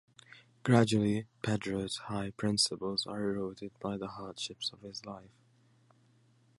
Gradually, Pedro's high principles are eroded by the hardships of his life.